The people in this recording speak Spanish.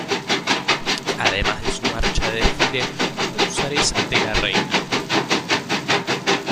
Además de su marcha de desfile Húsares de la Reina.